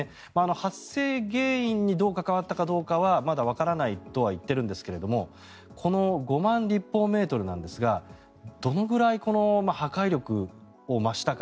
発生原因にどう関わったかはまだ、わからないとは言っているんですがこの５万立方メートルなんですがどのぐらいの破壊力を増したか。